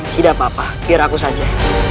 tidak apa apa biar aku saja